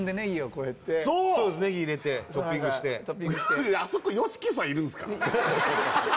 そうネギ入れてトッピングしてトッピングしてあそこＹＯＳＨＩＫＩさんいるんすか？